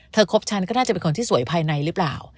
คบฉันก็น่าจะเป็นคนที่สวยภายในหรือเปล่า